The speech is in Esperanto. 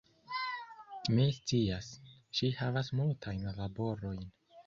Mi scias, ŝi havas multajn laborojn